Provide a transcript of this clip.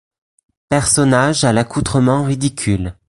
Personnage à l'accoutrement ridicule.